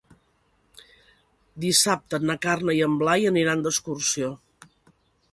Dissabte na Carla i en Blai aniran d'excursió.